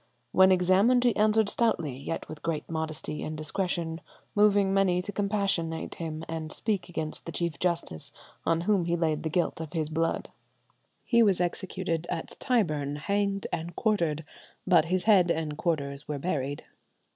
When examined he answered stoutly, yet with great modesty and discretion, moving many to compassionate him and speak against the Chief Justice, on whom he laid the guilt of his blood." He was executed at Tyburn, hanged and quartered, but his head and quarters were buried.